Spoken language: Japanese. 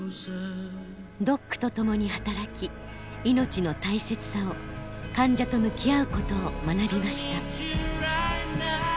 ドックと共に働き命の大切さを患者と向き合うことを学びました。